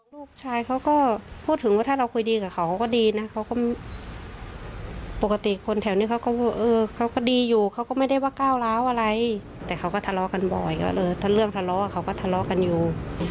ลูกชายเขาก็พูดถึงว่าถ้าเราคุยดีกับเขาก็ดีนะเขาก็ปกติคนแถวนี้เขาก็เออเขาก็ดีอยู่เขาก็ไม่ได้ว่าก้าวร้าวอะไรแต่เขาก็ทะเลาะกันบ่อยก็เลยถ้าเรื่องทะเลาะเขาก็ทะเลาะกันอยู่